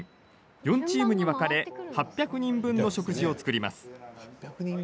４チームに分かれ８００人分の食事を作ります。